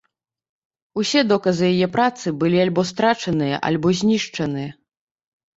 Усе доказы яе працы былі альбо страчаныя, альбо знішчаныя.